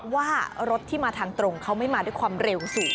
ว่ารถที่มาทางตรงเขาไม่มาด้วยความเร็วสูง